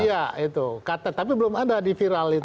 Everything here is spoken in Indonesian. iya tapi belum ada di viral itu